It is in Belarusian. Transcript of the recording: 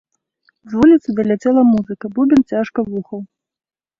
З вуліцы даляцела музыка, бубен цяжка вухаў.